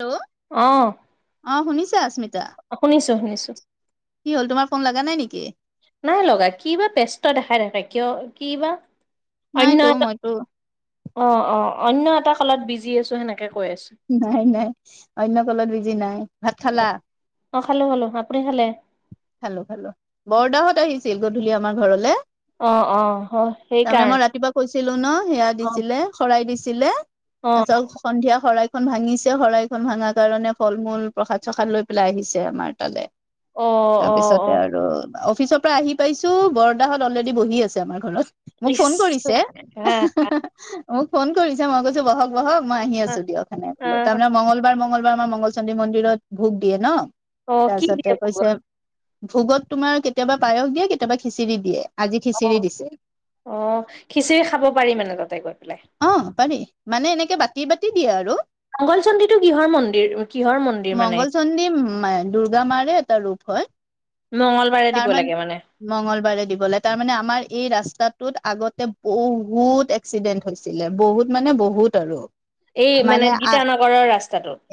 Hello? অ? অ', শুনিছে স্মিত? অ', শুনিছো-শুনিছো। কি হ'ল তোমাৰ ফোন লগা নাই নেকি? নাই লগা। কি বা ব্যস্ত দেখাই থাকে কিয় কি বা? নাইতো মইতো। অ'-অ', অন্য এটা কালত বিজি আছো সেনেকে কৈ আছো নাই-নাই অন্য কলত বিজি নাই। ভাত খালা? অ', খালো-খালো। আপুনি খালে? খালো-খালো, বৰদাহত আহিছিল গধূলি আমাৰ ঘৰলে। অ', অ', হয় তাৰমানে সেইকাৰণে মই ৰাতিপুৱা কৈছিলো ন, সেয়া অ', দিছিলে শৰাই দিছিল। অ', ছিলে সন্ধিয়া শৰাই খন ভাঙিছে শৰাইখন ভাঙা কাৰণে ফল-মূল, প্ৰসাদ-চসাদ লৈ পেলাই আহিছে আমাৰ তালে। অ', অ', তাৰপিছতে অ', আৰু অফিচৰ পৰা আহি পাইছো বৰদাহত অলৰেডি বহি আছে আমাৰ ঘৰত। মোক ইচ ফোন কৰিছে। হা মোক ফোন কৰিছে মই কৈছো বহক-বহক মই আহি অ', আছো দিয়ক হেনেকে কলো তাৰমানে মঙগলবাৰ মংল আমাৰ মংগল চন্দ্ৰ মন্দিৰত ভোগ দিয়ে ন। অ', কি দিয়ে তাৰপিছতে ভগৱান? কৈছে ভোগত তোমাৰ কেতিয়াবা পায়স দিয়ে কেতিয়াবা খিচিৰি দিয়ে। আজি অ', খিচিৰি দিছে অ', খিচিৰি খাব পাৰি মানে তাতে গৈ পেলাই? অ', পাৰি। মানে এনেকে বাতি-বাতি দিয়ে আৰু। মংগল চণ্ডীটো কিহৰ মন্দিৰ কিহৰ মন্দিৰ মানে মংগল চন্দী দুৰ্গা মাৰ এটা ৰূপ হয় মংগলবাৰে দিব তাৰমান লাগে মানে মংগলবাৰে দিবলৈ, তাৰমানে আমাৰ এই ৰাস্তাটোত আগতে বহুত এক্সিডেন্ট হৈছিলে বহুত মানে বহুত আৰু এই মানে গীতানগৰৰ ৰা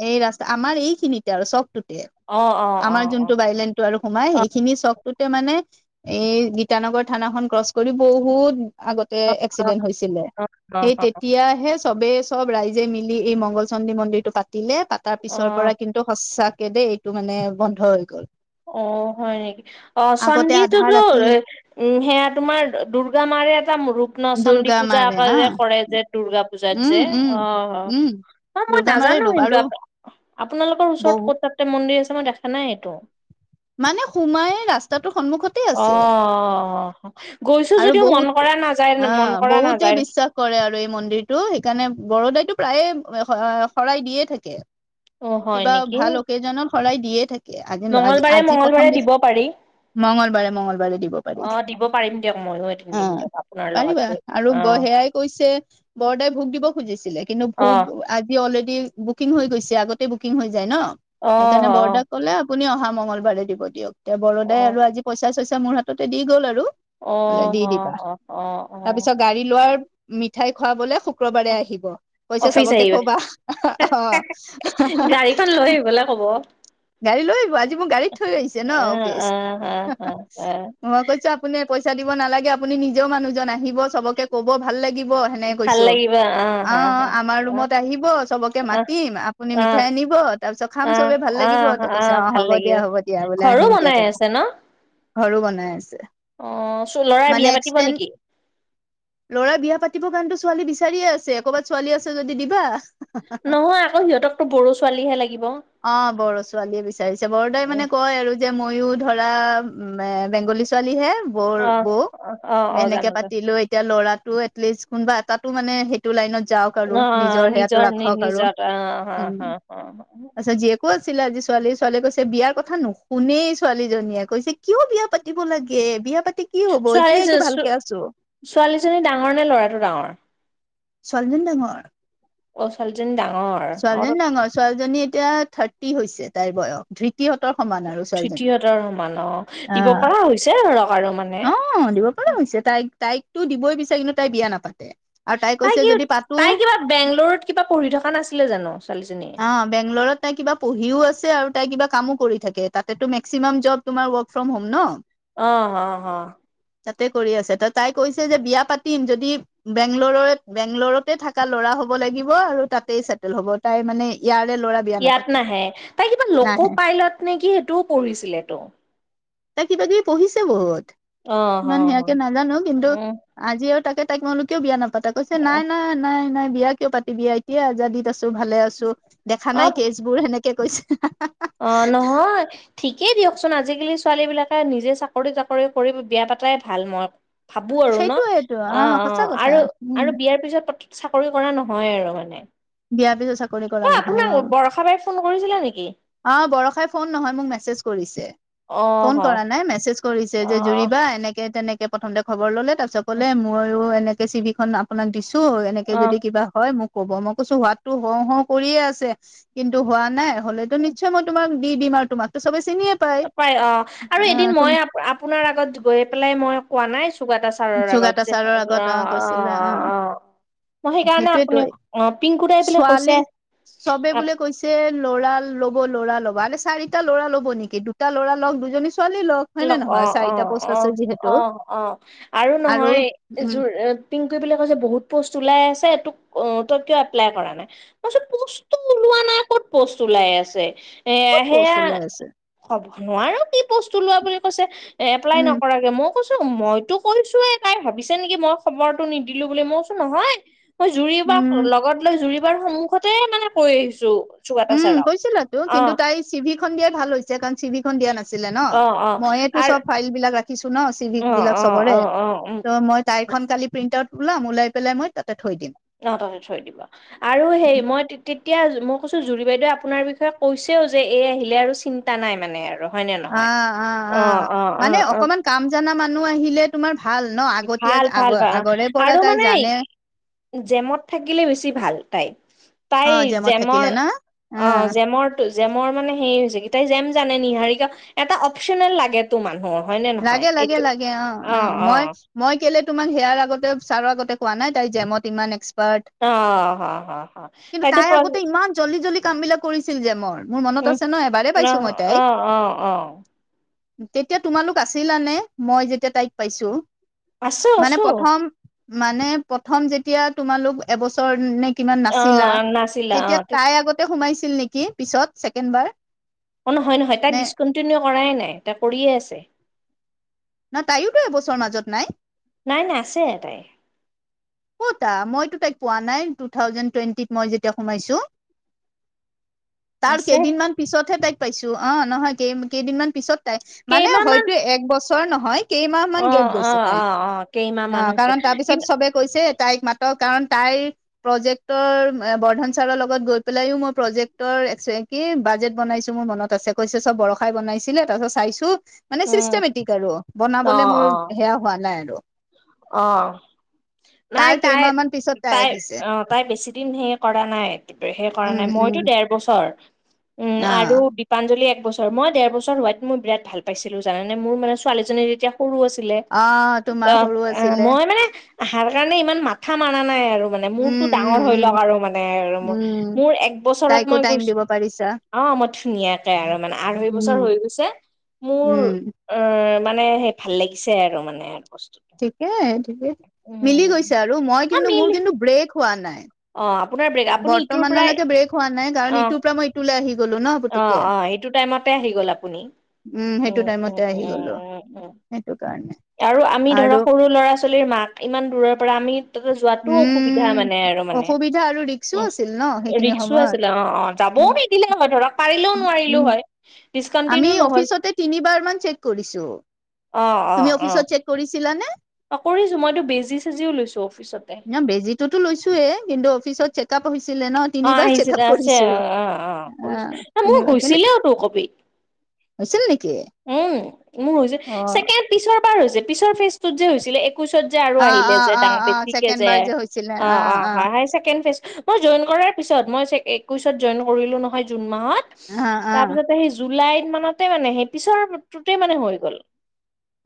এই ৰাস্তা আমাৰ এইখিনিতে আৰু চৌক টোতে। অ', অ', আমাৰ অ', অ', যোনটো বাইলেনটো আৰু সোমাই অ', সেইখিনি চক টোত মানে এই গীতানগৰ থানা খন ক্ৰচ কৰি বহুত আগতে অ', এক্সিডেণ্ট হৈছিলে, অ', অ', অ সেই তেতিয়াহে চবেই চব ৰাইজে মিলি এই মংগল চন্দী মন্দিৰ টো পাতিলে, পাতাৰ পিছৰ অ', পৰা কিন্তু সচা দেই এইটো মানে বন্ধ হৈ গ'ল। অ, হয় নেকি? অ, আগতে আধা চন্দিটোতো ৰাতি উম, সেয়া তোমাৰ দুৰ্গা মা এটা ৰূপ্নচন্দি দুৰ্গা পূজা মাৰে আক হা যে কৰে যে দূৰ্গা পূজাত উম যে? উম অ'। উম অ, মই দুৰ্গা মাৰে নাজানো ৰূপ কিন্তু, আৰু আপোনালোকৰ ওচৰত বহু ক'ত তাতে মন্দিৰ আছে। মই দেখা নাই এইটো। মানে সোমাই ৰাস্তাত সন্মুখতে আছে। অ', গৈছো আৰু যদিও মন বহুত, কৰা নাযায় মন আ', কৰা বহুতে নাযায় বিশ্বাস কৰে আৰু এই মন্দিৰটো সেইকাৰণে বৰদাইটো প্ৰায়ে শৰাই দিয়ে থাকে। অ', হয় কিবা নেকি? ভাল অকেজনত শৰাই দিয়ে থাকে মংগলবাৰে আজি-আজি প্ৰথম মংগলবাৰে দিব পাৰি মঙগলবাৰে-মংগলবাৰে। দিব পাৰি। অ', দিব পাৰিম দিয়ক ময়ো এদিন দিম অ', দিয়ক আপোনাৰ লগত পাৰিবা গৈ আৰু ব অ', সেয়াই কৈছে বৰদাই ভোগ দিব খুজিছিলে কিন্তু ভোগ অ', আজি অলৰে বুকিং হৈ গৈছে আগতে বুকিং হৈ যায় ন, অ', সেইকাৰণে অ', বৰদাক ক'লে আপুনি অহা মঙগলবাৰে দিব দিয়ক তে বৰদাই অ'। আৰু আজি পইচা চইচা মোৰ হাততে দি গ'ল আৰু। অ [unintelligible] বোলে দি হ দিবা হ অ অ তাৰ পিছত গাড়ী লোৱাৰ মিঠাই খোৱাবলে শুক্ৰবাৰে আহিব কৈছে অফিচ চবকে আহিব কবা অ। অ গাড়ী লৈ আহিব আজি মোৰ গাড়ীত থৈ আহিছে ন আহ অফিচ আহ হ হ আহ মই কৈছো আপুনি পইচা দিব নালাগে আপুনি নিজেও মানুহজন আহিব চবকে কব ভাল লাগিব সেনেকে ভাল কৈছো। লাগিব আহ অ হা হা আমাৰ ৰুমত আহিব চবকে আহ আহ মাতিম আপুনি আহ মিঠাই আনিব তাৰপিছত খাম আহ চবে ভাল লাগিব [unintelligible] আহ ততে কৈছে আহ অ ভাল হ'ব দিয়া লাগিব হ'ব দিয়া বোলে ঘৰো আহিম দিয়া বনাই তেনে আছে ন [unintelligible] আছে অ লৰাই বিয়া পাতিব নেকি? লৰাই বিয়া পাতিব কাৰণে ছোৱালী বিচাৰিয়ে আছে ক'ৰবাত ছোৱালী আছে যদি দিব। নহয় আকৌ সিহঁতকতো বঢ়ো ছোৱালীহে লাগিব। অ বড়ো ছোৱালীয়ে বিচাৰিছে বড়োদাই মানে উম, কয় আৰু যে মইও ধৰা বেংগলী ছোৱালী হে বৌ অ বৌ অ অ হেনেকে জানো জানো পাতিলো এতিয়া লৰাক ত এটলিষ্ট কোনবা এটাটো মানে সেইটো লাইনত যাওক আৰু অ নিজৰ সেয়াটো ৰাখক আৰু। নিজত অ হা উম, হা অ তাৰপিছত জীয়ে ক আছিল আজি ছোৱালী ছোৱালীয়ে কৈছে বিয়াৰ কথা নুশুনেই ছোৱালীজনীয়ে। কৈছে কিয় বিয়া পাতিব লাগে বিয়া পাতি [unintelligible] ছোৱালী এতিয়াইতো ভালকে আছো ছোৱালীজনী ডাঙৰ নে ল'ৰাটো ডাঙৰ? ছোৱালীজনী ডাঙৰ। অ ছোৱালীজনী ডাঙৰ। অ ছোৱালীজনী ডাঙৰ ছোৱালীজনী এতিয়া থাৰ্টি হৈছে তাইৰ বয়স। ধ্ৰি তি হঁতৰ সমান আৰু ছোৱালীজনী। তৃতীয়তৰ সমান অ দিব আঁহ। পৰা হৈছে ধৰক আৰু মানে অ দিবৰ পৰা হৈছে, তাইক তাইকতো দিবই বিচাৰে কিন্তু তাই বিয়া নাপাতে। আৰু তাই কৈছে কি যদি পাতো তাই কিবা বেংগালৰুত কিবা পঢ়ি থকা নাছিলে জানো ছোৱালীজনীয়ে? অ বেংগলৰত তাই কিবা পঢ়িও আছে আৰু তাই কিবা কামো কৰি থাকে, তাতেটো মেক্সিমাম জব তোমাৰ ৱৰ্ক ফ্ৰম হ'ম ন? অঁ হ হ। তাতে কৰি আছে ত তাই কৈছে যে, বিয়া পাতিম যদি বেংগালৰুত বেংগলৰতে থকা ল'ৰা [unintelligible] হ'ব লাগিব আৰু তাতেই ছেটেল হ'ব। তাই মানে ইয়াৰে ল'ৰা বিয়া ইয়াত নাপাতে, নাহে নাহে। পঢ়িছিলে ত'। তাই কিবা কিবি পঢ়িছে বহুত। অ অ ইমান অ সেয়াকে নাজানো কিন্তু উম আজি আৰু তাকে তাই মই কলো কিয় বিয়া নাপাতা? কৈছে অ নাই নাই নাই নাই বিয়া কিয় পাতি বিয়া এতিয়া আজাদীত আছোঁ। [unintelligible] ত' ভালে আছো দেখা নাই কেচ বোৰ সেনেকে কৈছে। অ নহয় ঠিকেই দিয়কচোন আজিকালি ছোৱালী বিলাকে নিজে চাকৰি তাকৰি কৰি বিয়া পাতাই ভাল। মই [unintelligible] ভাবো আৰু ন সেইটোয়েটো অ অ সঁচা কথা আৰু উম আৰু বিয়াৰ পিছত চাকৰি কৰা নহয় আৰু মানে। বিয়াৰ পিছত চাকৰি কৰা অ নহয় আপোনাক অ। বৰষা বাই ফোন কৰিছিলে নেকি অ বৰষাই ফোন নহয় মোক মেছেজ কৰিছে। অ ফোন হ কৰা নাই মেছেজ কৰিছে যে অ', জুৰিবা এনেকে তেনেকে প্ৰথমতে খবৰ ললে, তাৰ পিছত ক'লে মইয়ো এনেকে চিভি খন আপোনাক দি ছোঁ এনেকে অ', যদি কিবা হয় মোক ক'ব। মই কৈছো হোৱাটো হও হও কৰিয়ে আছে কিন্তু হোৱা নাই। হলেতো নিশ্চয় মই তোমাক দি দিম তোমাকটো চবেই চিনি পাই অ আৰু এদিন তুম মই আপোনাৰ আগত গৈ পেলাই মই কোৱা নাই চুকা দা চাৰৰ যোগাটা আগত যে ছাৰৰ আগত অ কৈছিলা অ [unintelligible] মই সেইকাৰণে সেইটোয়েতো আপুনি অ পিংকু দাই আহি পেলাই ছোৱালী কৈছে। চবে অ', বোলে কৈছে লৰা ল'ৰা ল'ব আৰে চাৰিটা ল'ৰা ল'ব নেকি? দুটা ল'ৰা লওক দুজনী ছো অ অ অ যিহেতু অ অ আৰু নহয় উম যোৰ পিঙকোৱে কৈছে বোলে বহুত পোষ্ট ওলায় ওলাই আছে তোক তই কিয় এপ্লাই কৰা নাই? মই কৈছোঁ পোষ্টটো ওলোৱা নাই কত পোষ্ট ওলাই আছে? এ ক'ত প'ষ্ট সেয়া ওলাই আছে ক'ব নোৱাৰো কি পোষ্ট ওলোৱা বুলি কৈছে। এ এপ্লাই উম, নকৰাকে মোক কৈছো মইটো কৈছোয়ে তাই ভাবিছে নেকি, মই খবৰটো নিদিলো বুলি মই কৈছো নহয়। মই জুৰি বা উম, লগত লৈ জুৰি বাৰ সন্মুখতে মানে কৰি আহিছো। চুকাটা উম ছাৰক কৈছিলা তো অ কিন্তু তাই চিভি খন দিয়াই ভাল হৈছে কাৰণ চিভিখন দিয়া নাছিলে ন অ অ মইয়ে তো আৰু চব ফাইল বিলাক ৰা খিছো ন চিভি অ বিলাক অ অ চবৰে, অ উম ত' মই তাইখন কালি প্ৰিন্ট আউট ওলাম ওলাই পেলাই মই তাতে থৈ দিম। অ তাতে থৈ দিব। আৰু সেই মই তেতিয়া মোক কৈছোঁ জুৰি বাইদেৱে আপোনাৰ বিষয়ে কৈছেও যে, এই আহিলে আৰু চিন্তা নাই মানে আৰু। হয় ন আ, নহয়? আ, আ, অ অ অ মানে অ। অকমান কাম জানা মানুহ আহিলে তোমাৰ ভাল ন আগতীয়া ভাল আগ ভাল ভাল। আগৰে পৰা আৰু তাই মানে জানে জেমত থাকিলে বেছি ভাল তাই অ তাইৰ জেমত জেমৰ থাকিলে না অ জেমৰ টো জেমৰ মানে হেৰি হৈছে কি তাই জেম জানে নিহাৰীকা এটা অপচনেল লাগে তো মানুহ লাগে লাগে লাগে অ অ মই মই কেলে তোমাক সেয়াৰ আগতে ছাৰৰ আগতে কোৱা নাই তাই জেমত ইমান এক্ পাৰ্ত। অ হ হ হ কিন্তু তাইতো তাই প্ৰ আগতে ইমান জলদি জলদি কাম বিলাক কৰিছিল যে মোৰ মোৰ মনত উম আছে ন এবাৰে অ পাইছোঁ মই তাইক অ অ অ তেতিয়া তোমালোক আছিলা নে মই যেতিয়া তাইক পাইছোঁ আছোঁ আছোঁ মানে প্ৰথম যেতিয়া তোমালোক এবছৰ নে কিমান অ নাছিলা নাছিলা অ তেতিয়া তাই আগতে সোমাইছিল নেকি পিছত ছেকেণ্ড বাৰ অ নহয় নহয় তাই নে ডিচকণ্টিনিউ কৰাই নাই তাই কৰিয়ে আছে নহ তাইও টো এবছৰ মাজত নাই নাই নাই আছে এটাই ক'তা মইতো তাইক পোৱা নাই টু থাউজেণ্ড টুৱেণ্টিত মই যেতিয়া সোমাইছো তাৰ আছে কেইদিনমান পিছতহে তাইক পাইছোঁ অ নহয় কেই কেইদিনমান পিছত তাই মানে কেইমাহ মান হয়তো এক বছৰ নহয় কেইমাহমান অ গেপ অ গৈছে তাই অ অ কেইমাহ অ মান হৈছে কাৰণ তাৰপিছত কিন্তু চবে কৈছে তাইক মাতক কাৰণ তাইৰ প্ৰজেক্টৰ বৰ্ধন ছাৰৰ লগত গৈ পেলাইও মই প্ৰজেক্ট তৰ কি বাজেট বনাইছো মোৰ মনত আছে কৈছে চব বৰষাই বনাইছিলে তাৰপিছত চাইছো মানে উম চিষ্টেমেটিক আৰু অ বনাবলে মোৰ অ সেয়া হোৱা নাই আৰু অ নাই তাৰ তাই কেইমাহ মান পিছত তাই আহিছে অ তাই বেছি দিন হেই কৰা নাই সেই কৰা উম নাই মইতো উম ডেৰ বছৰ উম অ আৰু দীপাঞ্জলি এক বছৰ মই ডেৰ বছৰ হোৱাত মই বিৰাট ভাল পাইছিলো জানানে মোৰ মানে ছোৱালীজনী যেতিয়া সৰু আছিলে, অ তোমাৰ অ সৰু আছিলে মই মানে আহাৰ কাৰণে ইমান মাথা মাৰা নাই আৰু আৰু মানে উম মোৰটো উম ডাঙৰ হৈ উম লওক আৰু মানে মোৰ উম মোৰ এক বছৰত তাইকো মই টাইম গৈছো দিব পাৰিছা অ মই ধুনীয়াকে আৰু মানে আঢ়ৈ উম বছৰ হৈ গৈছে মোৰ উম অ মানে সেই ভাল লাগিছে আৰু মানে আৰু বস্তুটো ঠিকে ঠিকে, মিলি উম, গৈছে আৰু মই অ', কিন্তু মিল মোৰ কিন্তু ব্ৰেক হোৱা নাই অ আপোনাৰ ব্ৰেক, আপুনি ইটোৰ পৰাই, বৰ্তমানলৈকে ব্ৰেক হোৱা নাই কাৰণ অ ইটোৰ পৰা মই ইটোলৈ আহি গলো ন অ পুতুককে। অ এইটো টাইমতে আহি গ'ল আপুনি উম সেইটো উম, টাইমতে আহি উম, গলো উম, উম। সেইটো কাৰণে আৰু আমি আৰু ধৰক সৰু ল'ৰা ছোৱালীৰ মাক ইমান দূৰৰ পৰা আমি যোৱাতো অসুবিধা উম মানে আৰু মানে অসুবিধা আৰু ৰিক্সো উমহ, আছিল ন সেইখিনি ৰিক্সো সময়ত। আছিলে অ অ যাবও নিদিলে হয় ধৰক পাৰিলেও নোৱাৰিলেও উম হয় আমি ডিচকণ্টিনিউ নহ'ল অফিচতে তিনিবাৰ মান চেক কৰিছোঁ অ', তুমি অ', অফিচত অ', চেক কৰি অ কৰিছোঁ মইতো বেজি চেজিও লৈছোঁ। ন বেজীটোতো লৈছোয়ে কিন্তু অফিচত চেকআপ হৈছিলে ন অ তিনিবাৰ আহিছে চেকআপ দে আছে কৰিছো। অ অ কৰি, অ মোৰ তিনিবাৰ কিন্তু হৈছিলেও তো কপি হৈছিল নেকি? উম মো হৈছে অ ছেকেণ্ড পিছত বাৰ হৈছে পিছৰ ফিচটোত যে হৈছিলে এক কোচত যে আৰু অ আহিলে অ যে অ ডা অ বেছিকে ছেকেণ্ড যে বাৰ হৈছিলে অ অ হয় হয় ছেকেণ্ড ফেচ মই জইন কৰাৰ পিছত মই ছে একৈশত জইন কৰিলো নহয় জুন মাহত অ অ তাৰপিছতে সেই জুলাই মানতে মানে সেই পিছৰটোতে মানে হৈ গ'ল।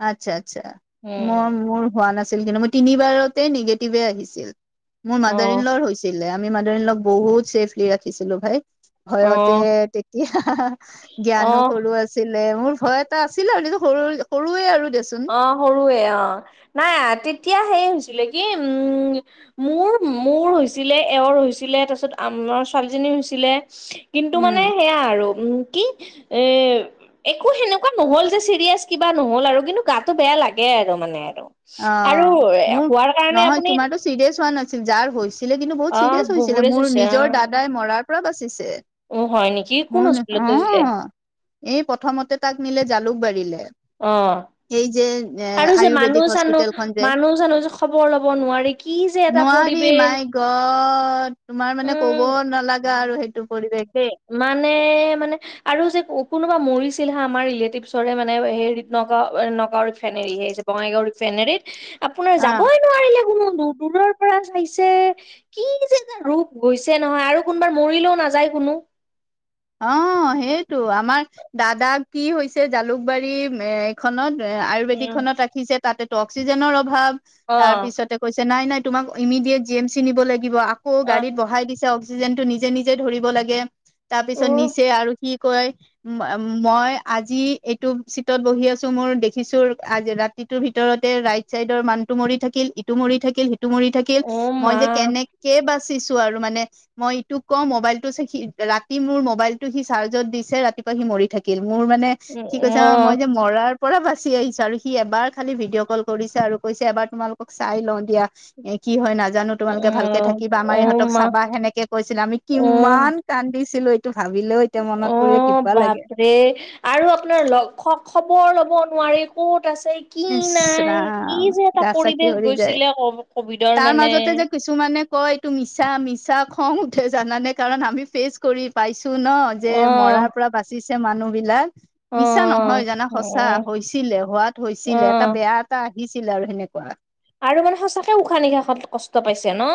আচ্ছা আচ্ছা মোৰ উম, মোৰ হোৱা নাছ- ছিল। কিন্তু মই তিনিবাৰতে নিগেটিভে আহিছিল। মোৰ মাদাৰ ইন অ', লৰ হৈছিলে। আমি মাদাৰ ইন লক বহুত ছেফলি ৰাখিছিলো ভাই। ভয়তে অ', তেতিয়া জ্ঞানো অ'। সৰু আছিল। মোৰ ভয় এটা আছিল আৰু আমি সৰু সৰুৱে আৰু দেচোন অ সৰুৱে অ নাই আতি এতিয়া সেই হৈছিলে কি উম মোৰ মোৰ হৈছিলে এওঁৰ হৈছিলে তাৰপিছত আম ৰ ছোৱালীজনী হৈছিলে, কিন্তু মানে উম সেয়া আৰু উম কি এ একো সেনেকোৱা নহ'ল যে চিৰিয়াচ কিবা নহ'ল আৰু কিন্তু গাটো বেয়া লাগে আৰু মানে আৰু অ আৰু মোৰ হোৱাৰ কাৰণে নহয় আপুনি তোমাৰো চিৰিয়াছ হোৱা নাছিল যাৰ হৈছিল ছিলে কিন্তু বহুত অ চিৰিয়াছ হৈছিলে বুবুৰে মোৰ চুইছে নিজৰ দাদাই মৰাৰ পৰা বাচিছি এ অ হয় নেকি কোন মোৰ হস্পিতেলত থৈছিলে অ এই প্ৰথমতে তাক নিলে জালুকবাৰীলে, অ এই যে এ আৰু যে মানুহ আয়ুৰ্বেদিক হচ চানুহ পিটেলখন যে মানুহ চানুহ যে খবৰ লব নোৱাৰি কি যে এটা নোৱাৰি পৰিৱেশ মাই গড তোমাৰ মানে উম ক'ব নালাগা আৰু হেইত মানে মানে আৰু যে কো কোনোবা মৰিছ ছিল হা আমাৰ ৰিলেটিভছৰে মানে হেৰি নগাও নগাও ৰিফেনেৰী সে হৈছে বঙাইগাঁও ৰিফেনেৰীত। আপোনাৰ অ যাবই নোৱাৰিলে কোনো। দ দূৰৰ পৰা চাইছে কি যে ৰূপ গৈছে নহয় আৰু কোনবাৰ মৰিলেও নাযায় কোনো অ সেইটো আমাৰ দাদা কি হৈছে জালুকবাৰী এইখনত আয়ুৰ্বেদিক উম খনত ৰাখিছে তাতেটো অক্সিজেনৰ অভাৱ, অ তাৰ পিছতে কৈছ নাই নাই তোমাক ইমিডিয়েট জি এম চি নিব লাগিব আকৌ অ গাড়ীত বঢ়াই দিছে যেনটো নিজে নিজে ধৰিব লাগে, তাৰ অ পিছত নিচে আৰু সি কয় মই আজি এইটো চিটত বহি আছো মোৰ দেখিছো আজি ৰাতি ইটোৰ ভিতৰতে ৰাইট চাইডৰ মানটো মৰি থাকিল, ইটো মৰি থাকিল সি মৰি থাকিল অ মই মা যে কেনেকে বা চিছো আৰু মানে মই এইটো ক মোবাইলটো চি ৰা তি মোৰ মোবাইলটো সি চাৰ্জত দিছে ৰাতিপুৱা সি মৰি থাকিল, মোৰ মানে অ কি কৈছে মই যে মৰাৰ পৰা বাছি আহিছে আৰু সি এবাৰ খালি ভিডিঅ' কল কৰিছে আৰু কৈছে এবাৰ তোমালোকক চাই লওঁ দিয়া। কি হয় না জানো তোমালোকে ভালকে থাকিবা অ আমাৰ অ ইহঁতক মা চাবা সেনেকে কৈছিলা আমি অ কিমান কান্দিছিলো এইটো। ভাবিলেও এতিয়া মনত অ পৰিলে কিবা লাগে বাপৰে আৰু আপোনাৰ লক্ষ খবৰ ল'ব নোৱাৰি ক'ত আছে কি ইচ নাই কি ৰাম যে এটা গা চা পৰিৱেশ শিয়ৰি গৈছিলে ক কভিডৰ মানে। কিছু মানে কয় এইটো মিছা মিছা খং উঠে জানানে কাৰণ আমি ফেচ কৰি পাইছো ন যে মৰাৰ অ' পৰা বাছি। যে মানুহবিলাক, মিছা নহয় অ' জানা সঁচা অ' হৈছিলে হোৱাত হৈছিলে এটা অ' বেয়া এটা আহিছিলে আৰু সেনেকুৱা। আৰু মানে সঁচাকে উশাহ নিশাহত কষ্ট পাইছে ন।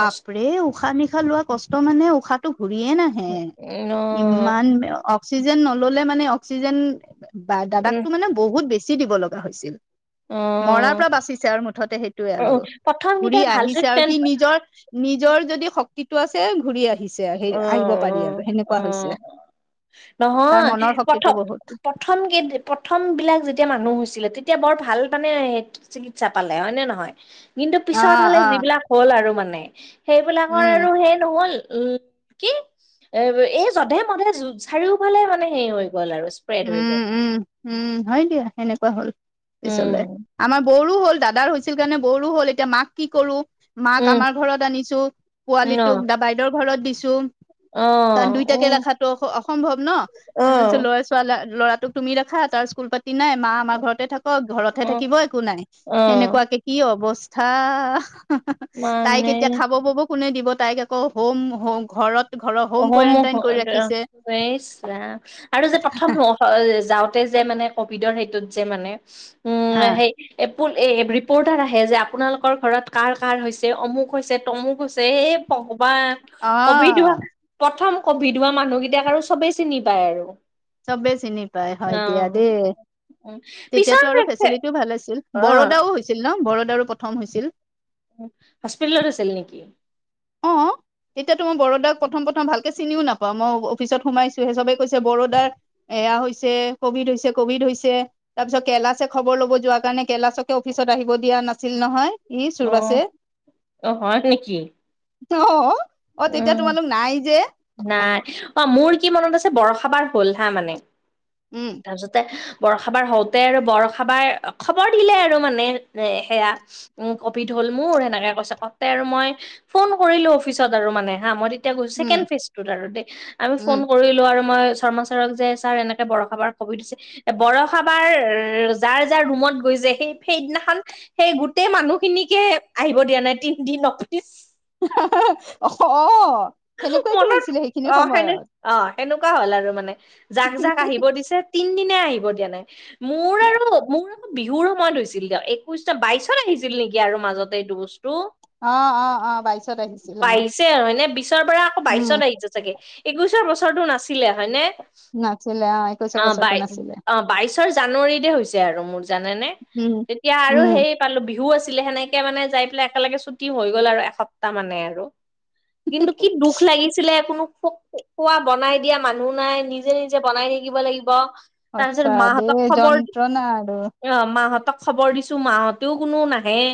কষ্ট উশাহ নিশাহ লোৱা কষ্ট মানে উশাহ ঘূৰিয়ে নাহে উম অ' ইমান অক্সিজেন নললে মানে অক্সিজেন বা উম দাদাকটো মানে বহুত বেছি দিব লগা হৈছিল। মৰাৰ পৰা বাচিছে আৰু মুঠতে সেইটোৱে আৰু অ' প্ৰথম ঘুৰি কেইটাই ভাল আহিছে আৰু সি ট্ৰিটমেণ্ট নিজৰ নিজৰ যদি শক্তিটো আছে ঘূৰি আহিছ সে আহিব পাৰি অ' আৰু অ' সেনেকুৱা অ' হৈছে। তাৰ নহয় মনৰ শক্তিটো বহুত প্ৰথম প্ৰথম কেই প্ৰথম বিলাক যেতিয়া মানুহ হৈছিলে তেতি এতিয়া বৰ ভাল মানে চিকিৎসা পালে হয় নে নহয়? কিন্তু অ পিছৰ ফালে অ যিবিলাক হ'ল আৰু মানে সেইবিলাকৰ উম আৰু সেই নহ'ল উম। কি এ এই যধে মধে চাৰিওফালে মানে হেৰি হৈ গ'ল আৰু স্প্ৰেড হৈ উম গ'ল উম উম হয় দিয়া সেনেকুৱা হ'ল। পিছলে উম আমাৰ বৌৰু হল দাদাৰ হৈছিল কাৰণে বৌ হল এতিয়া মাক কি কৰো মাক উম আমাৰ ঘৰত আনিছো অ পোৱালিটোক দ বাইদেউৰ ঘৰত দিছো। অ তাত দুইটাকে ৰখাটো অ- সম্ভৱ ন অ অ ল'ৰা ছোৱালা ল'ৰাটোক তুমি দেখা তাৰ স্কুল পাতি- কি নাই মা আমাৰ ঘৰতে থাকক ঘৰতহে অ থাকিব একো নাই অ সেনেকুৱাকে কি অৱ- স্থা তাইক মানে কেতিয়া খাব পব- কোনে দিব? তাইক আকৌ হোম হো ঘৰত ঘৰৰ হোম অহ কোৱাৰেণ্টাইন কৰি ৰাখিছে ইছ ৰাম আৰু যে প্ৰথম যাওঁ। যে মানে কভিডৰ সেইটোত যে মানে উ হা সেই এ ৰিপৰ্টাৰ আহে যে আপোনালোকৰ ঘৰত কাৰ কাৰ হৈছে অমুক হৈছে তমুক হৈছে এই বা অ কভিড হোৱা প্ৰথম কভিড হোৱা মানুহকেইটাক আৰু চবেই চিনি পায় আৰু। চবে চিনি পায় হয় অ দিয়া দেই‌। উ পিছৰ তেতিয়াতো আৰু ফেচিলিটিও ভাল আছিল অ বৰোদাও হৈছিল ন বৰোদাৰো প্ৰথম হৈছিল। হস্পিতেলত আছিল নেকি? অহ। তেতিয়াতো মই বৰোদাক প্ৰথম প্ৰথম ভালকে চিনিও নাপাওঁ মই অফিচত সোমাইছো সেই সবেই কৈছে বৰোদাৰ এয়া হৈছে কভিড হৈছে কভিড হৈছে তাৰপিছত কেলাছে খবৰ ল'ব যোৱাৰ কাৰণে কলাচকে অফিচত আহিব দিয়া নাছিল নহয়। ই অহ চুৰবাছে অ হয় নেকি? ত‌ অ অ তেতিয়া উম তোমালোক নাই যে নাই অ মোৰ কি মনত আছে বৰষাবাৰ হ'ল হা মানে উম তাৰপিছতে বৰষা বাৰ হওঁতে আৰু বৰষা বাৰ খবৰ দিলে আৰু মানে যে সেয়া আৰু কভিডৰ হ'ল মোৰ এনকে কৈছে কওতে আৰু মই ফোন কৰিলো অফিচত আৰু মানে হা মই এতিয়া কৈছো উম চছেকেণ্ড ফেজটোতে আৰু দেই আমি উম ফোন কৰিলো আৰু মই শৰ্মচাৰক যে ছাৰ এনেকে বৰ- ষাবাৰ কভিড হৈছে বৰষাবাৰ যাৰ যাৰ ৰুমত গৈছে সেই সেইদিনাখন সেই গোটেই মানুহ খিনিকে আহিব দিয়া নাই তিনদিন অফিচ হাঃ হাঃ অ সেনেক- মনত অ সেনে অ সেনেকুৱা হ'ল আৰু মানে জাক জাক আহিব দিছে তিন দিনে আহিব দিয়া নাই মোৰ আৰু মো- বিহুৰ সময়ত হৈছিল দিয়া। একৈশটা বাইশত আহিছিল নেকি আৰু মাজতে এই বস্তু? ৰো অ অ অ বাইশত আহিছিল অ পাইছে আৰু এনে বিশ- পৰা আকৌ উম বাইচত আহিছে চাগে একৈশৰ বছৰো নাছিলে হয়নে। নাছিলে একৈশৰ অ বছৰটো বাই নাছিলে অ বাইশৰ জানুৱাৰীতে হৈছে আৰু মোৰ জানানে‌। উম তেতিয়া আৰু উম সেই পালো বিহু আছ- ছিলে সেনেকে মানে যাই পেলাই একেলগে ছুটি হৈ গ'ল আৰু এসপ্তাহ মানে আৰু। কিন্তু কি দুখ লাগিছিলে‌‌ কোনো খো-খোৱা বনাই দিয়া মানুহ নাই, নিজে-নিজে বনাই থাকিব লাগিব। তাৰছত সঁচা দেই মাহতক খবৰ, যন্ত্ৰণা আৰু অ' মাহতক খবৰ দিছো মাহতেও কোনো নাহেয়ে।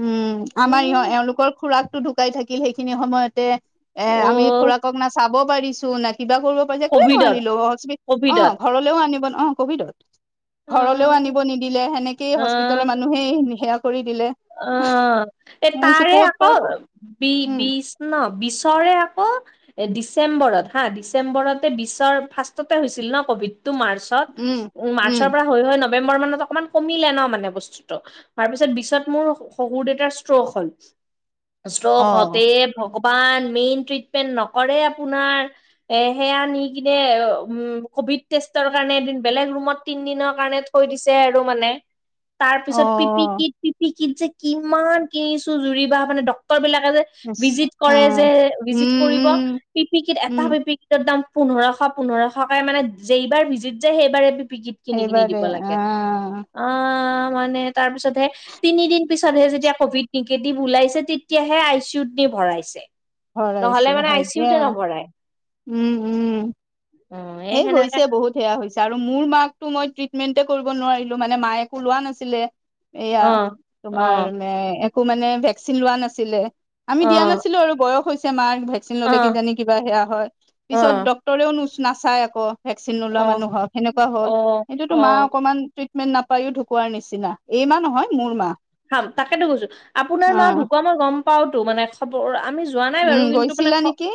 উম, আমাৰ ইহঁত এওঁলোকৰ খুৰাকটো ঢুকাই থাকিল সেইখিনি সময়তে অ এ আমি খুৰাকক না চাব পাৰিছো, না কিবা কৰিব পাৰিছে, একোৱে কভিডত নোৱাৰিলো। হস্পিট অ' কভিডত ঘৰলেও আনিব ন, অ' কভিডত ঘৰলৈও আহ আনিব নিদিলে, সেনেকেই হস্পিতেলৰ মানুহে সেয়া কৰি দিলে। অ', এ মই ভাবিছো তাৰে ক'ত আকৌ পাৰ উম বি-বিচ ন বিচৰে আকৌ এ ডিচেম্বৰত হা, ডিচেম্বৰতে বিচৰ ফাৰ্ষ্টতে হৈছিল ন ক'ভিড টো মাৰ্চত, উম উ মাৰ্চৰ উম পৰা হৈ হৈ ন নৱেম্বৰ মানত অকমান কমিলে ন মান বস্তুটো, তাৰপিছত বিছত মোৰ শ-শহুৰ দেউতাৰ ষ্ট্ৰোক হ'ল, ষ্ট্ৰোক অ হওতে হে ভগৱান মেইন ট্ৰিটমেণ্ট নকৰে আপোনাৰ, এই সেইয়া নিকিনে কভিদ টেষ্ট তাৰ কাৰণে এদিন বেলেগ ৰুমত তিনদিনৰ কাৰণে থৈ দিছে আৰু মানে। তাৰ অ পিছত পিপি কিট, পিপি কিট যে কিমান কিনিছো জুৰি বা মানে ডক্টৰ বিলাক যে ইচ ভিজিট কৰে আহ যে, ভিজিট উম কৰিব উম পিপি কিট এটা উম পিপি কিটৰ দাম পোন্ধৰশ-পোন্ধৰশকে মানে, যেই বাৰ ভিজিট যায়সেইবাৰে পি কিত কিনি কিনি সেইবাৰে দিব লাগে। আহ অ', মানে তাৰপিছতহে তিনিদিন পিছতহে যেতিয়া কভিড নিগেটিভ ওলাইছে তেতিয়াহে আই চি ইউত নি ভৰাইছে। নহলে ভৰাইছে, মানে আই হয় চি দিয়া। ইউতে নভৰাই উম, উম। অ এই সেনেকে হৈছে বহুত সেয়া হৈছে, আৰু মোৰ মাক তো মই ট্ৰিটমেন্টে কৰিব নোৱাৰিলো, মানে মায়ে একো লোৱা নাছিলে। এয়া অ অ তোমাৰ মে একো মানে ভেকচিন লোৱা নাছিলে। আমি অ দিয়া নাছিলো আৰু বয়স হৈছে মাৰ ভেকচিন অ অ ললে কিজানি কিবা সেয়া হয়। পিছত অ ডক্তৰেও নাচাই আকৌ ভেকচিন নোলোৱা অ মানুহক, সেনেকুৱা হল। সেইতোটো অ মা অ অকমান ট্ৰিট মেন নাপায়ও ঢুকোৱাৰ নিচিনা, এইৰ মা নহয় মোৰ মা। হাম তাকেতো কৈছো, আপোনাৰ অ মা ঢুকুৱাটো মই গম পাওতো মানে খবৰ আমি যোৱা নাই উম বাৰু কিন্তু মানে গৈছিলা নেকি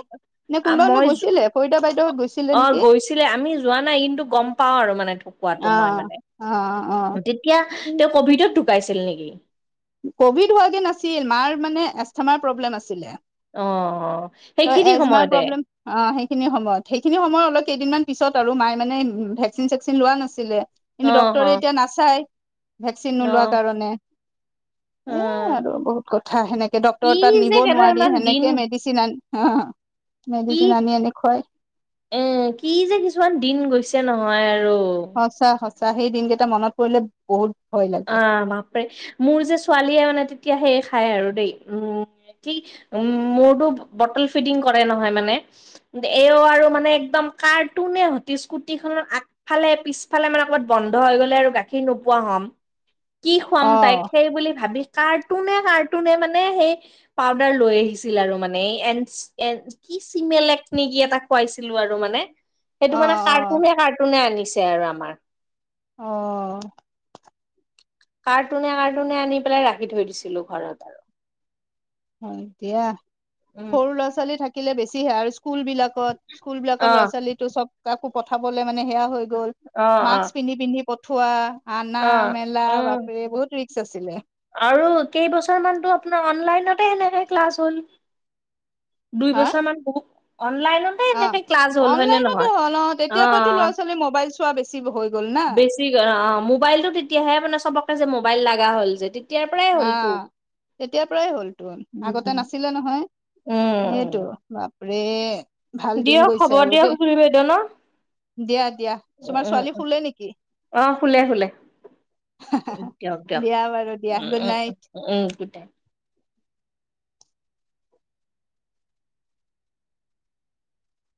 নে আ কোনোবা কোনোবা মই যো, গৈছিলে কবিতা বাইদেউহত গৈছিলে অ' নেকি গৈছিলে আমি যোৱা নাই কিন্তু গম পাও আৰু মানে ঢো কোৱটো অ মই মানে। অ তেতিয়া অ তেওঁ কভিডত ঢুকাইছিল নিকি? কভিড হোৱাগে নাছিল, মাৰ মানে এষ্টমাৰ প্ৰব্লেম আছিলে। অ সেইখিনি এজমাৰ সময়তে প্ৰব্লেম অ সেইখিন সময়ত, সেইখিন সময় কেইদিনমান পিছত আৰু মাই মানে ভেকচিন-চেকচিন লোৱা নাছিলে, অ কিন্তু অ ড্ক্তৰে এতিয়া নাচাই ভেকচিন অ নোলোৱা কাৰণে। অ এ আৰু বহুত কথা, সেনেকে কি ডক্তৰ তাত যে নিব নোৱাৰি কেইটামান দিন সেনেকে মেডিচিন আনি অ'। কি, মেডিচিন আনি আনি খুৱাই এ কি যে কিছুমান দিন গৈছে নহয় আৰু সঁচা সঁচা, সেই দিনকেইটা মনত পৰিলে বহুত ভয় লাগে অ', বাপৰে মোৰ যে ছোৱালীয়ে মানে তিতিয়া সেই খাই আৰু দেই, উ ঠিক উ মোৰতো বটল ফিডিং কৰে নহয় মানে এও আৰু মানে একদম কাৰ্টুনে হতি স্কুটি খনত আগফালে পিছফালে মানে কবাত বন্ধ বন্ধ হৈ গ'লে আৰু গাখীৰ নোপোৱা হ'ম। কি খোৱাম অ তাইক সেই বুলি ভাবি কাৰ্টুনে-কাৰ্টুনে মানে সেই পাউদাৰ লৈ আহিছিল আৰু মানে, এই এনচ এন কি চিমেলেক নে কি এটা খুৱাইছিলো আৰু মানে। অ অ সেইটো মানে কাৰ্টুনে-কাৰ্টুনে আনিছে আৰু আমাৰ। অ'। কাৰ্টুনে-কাৰ্টুনে আনি পেলাই ৰাখি থৈ দিছিলো ঘৰত আৰু। হয় দিয়া, উম, সৰু ল'ৰা-ছোৱালী থাকিলে বেছিহে আৰু স্কুল বিলাক স্কুলবিলাকৰ ল'ৰা অ', -ছোৱালীটো চব কাকো পঠাবলে মানে সেয়া হৈ গ'ল, অ', অ', মাক্স পিন্ধি পিন্ধি পঠোৱা, আনা অ', মেলা উম। বাপেৰে বহুত ৰিস্ক আছিলে। আৰু কেইবছৰমানটো আপোনাৰ অনলাইনতে সেনেকে ক্লাছ হ'ল। দুই হা বছৰ মান বহু অনলাইনতে অ এনেকে ক্লাছ হ'ল হয় নে অনলাইনতে নহয়? হ'ল অ। তেতিয়াৰ পৰাতো ল'ৰা ছোৱালী মোবাইল চোৱা বেছি হৈ গ'ল না বেছি অ মোবাইলটো তেতিয়াহে মানে চবকে যে মোবাইল লগা হ'ল যে। তেতিয়াৰ পৰাই হ'লতো। আহ তেতিয়াৰ পৰাই হ'ল তো আগতে উম। নাছিলে নহয়। উম, সেইটো বাপৰে, ভাল দিন দিয়ক হ'ব গৈছে আৰু দিয়ক দেই। জুৰি বাইদেউ ন? দিয়া দিয়া উম, তোমাৰ ছোৱালী উম, শুলে নেকি? অ শুলে শুলে দিয়ক দিয়ক। দিয়া বাৰু দিয়া um good um night um um গোটে।